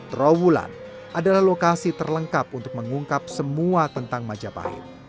trawulan adalah lokasi terlengkap untuk mengungkap semua tentang majapahit